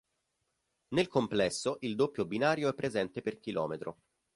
Nel complesso il doppio binario è presente per km.